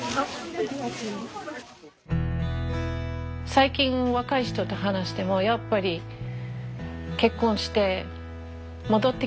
最近若い人と話してもやっぱり結婚して戻ってきてるのね最近。